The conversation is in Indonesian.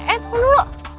eh tunggu dulu